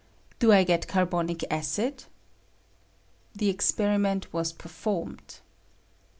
Do I get carbonic acid? [The experiment was performed.